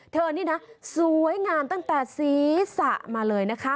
นี่นะสวยงามตั้งแต่ศีรษะมาเลยนะคะ